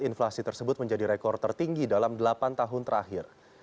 inflasi tersebut menjadi rekor tertinggi dalam delapan tahun terakhir